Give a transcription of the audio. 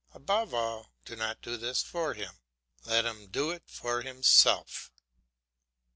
Above all, do not do this for him; let him do it himself.